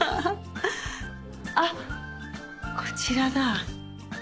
あっこちらだ。